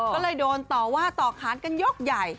ก็เลยโดนต่อว่าต่อขานกันยกใหญ่